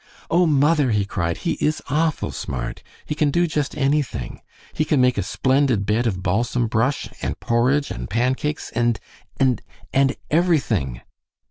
"Oh, mother!" he cried, "he is awful smart. He can just do anything. He can make a splendid bed of balsam brush, and porridge, and pancakes, and and and everything."